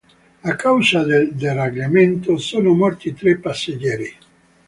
A causa del deragliamento sono morti tre passeggeri.